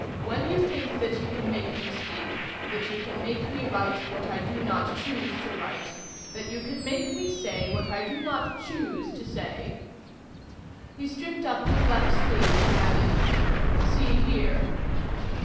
When you think that you can make me speak, that you can make me write what I do not choose to write, that you can make me say what I do not choose to say—" He stripped up his left sleeve, and added:— "See here."